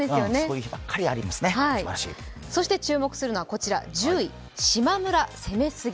そして注目するのは１０位、「しまむら攻めすぎ」。